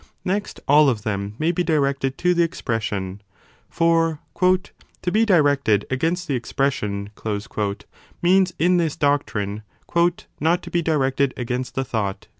Next, all of them may be directed to the expres sion. For to be directed against the expression means in this doctrine not to be directed against the thought